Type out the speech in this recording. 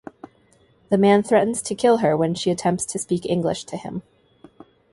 The man threatens to kill her when she attempts to speak English to him.